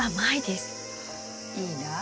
いいなあ。